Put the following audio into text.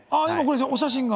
お写真が。